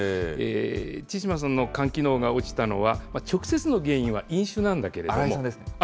千嶋さんの肝機能が落ちたのは、直接の原因は飲酒なんですけれども。